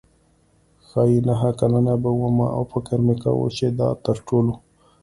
ښايي نهه کلنه به وم او فکر مې کاوه چې دا تر ټولو.